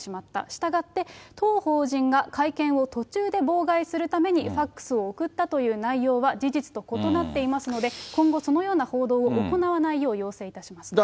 したがって、当法人が会見を途中で妨害するために、ファックスを送ったという内容は事実と異なっていますので、今後そのような報道を行わないよう要請いたしますと。